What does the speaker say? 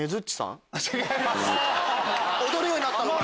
踊るようになったのかな？